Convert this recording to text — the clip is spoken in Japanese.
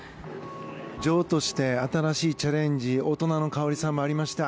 女王として新しいチャレンジ大人の花織さんもありました。